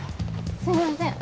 すみません。